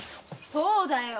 そうだよ！